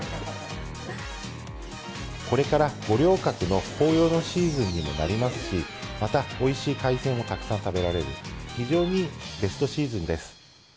これから五稜郭の紅葉のシーズンにもなりますし、また、おいしい海鮮をたくさん食べられる、非常にベストシーズンです。